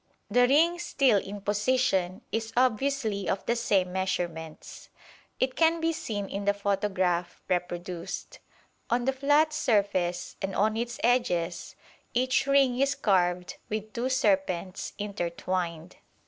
The ring still in position is obviously of the same measurements: it can be seen in the photograph reproduced. On the flat surface and on its edges each ring is carved with two serpents intertwined.